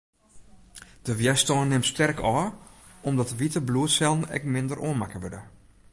De wjerstân nimt sterk ôf, omdat de wite bloedsellen ek minder oanmakke wurde.